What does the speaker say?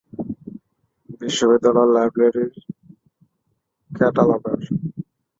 বিশ্ববিদ্যালয় লাইব্রেরির ক্যাটালগার।